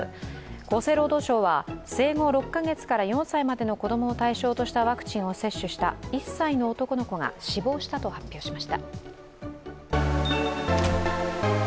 厚生労働省は、生後６ヶ月から４歳までの子供を対象としたワクチンを接種した１歳の男の子が死亡したと発表しました。